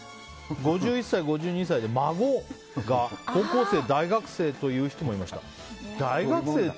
５１歳、５２歳で孫が高校生、大学生という人もいました。